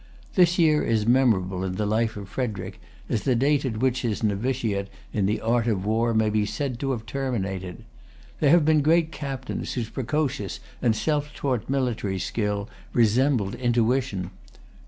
This year is memorable in the life of Frederic as the date at which his novitiate in the art of war may be said to have terminated. There have been great captains whose precocious and self taught military skill resembled intuition.